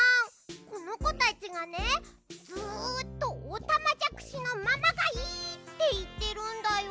このこたちがねずっとオタマジャクシのままがいいっていってるんだよ。